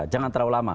jangan terlalu lama